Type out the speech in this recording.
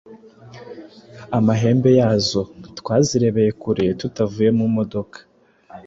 amahembe yazo. Twazirebeye kure tutavuye mu modoka,